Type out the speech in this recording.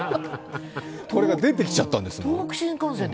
これが出てきちゃったんですもん。